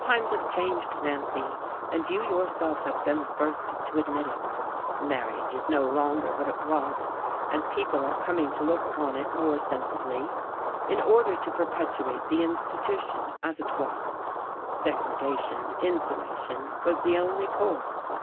Times have changed, Nancy, and you yourself have been the first to admit it. Marriage is no longer what it was, and people are coming to look upon it more sensibly. In order to perpetuate the institution, as it was, segregation, insulation, was the only course.